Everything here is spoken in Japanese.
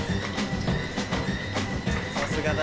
さすがだ。